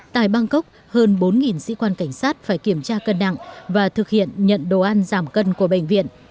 tại bangkok hơn bốn sĩ quan cảnh sát phải kiểm tra cân nặng và thực hiện nhận đồ ăn giảm cân của bệnh viện